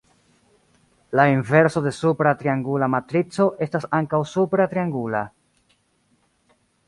La inverso de supra triangula matrico estas ankaŭ supra triangula.